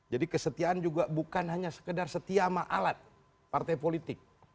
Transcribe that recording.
jadi kesetiaan juga bukan hanya sekedar setia sama alat partai politik